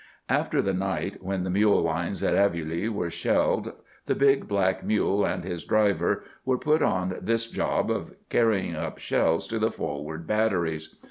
After the night when the mule lines at Aveluy were shelled, the big black mule and his driver were put on this job of carrying up shells to the forward batteries.